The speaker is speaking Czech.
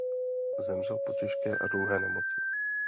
Zemřel po těžké a dlouhé nemoci.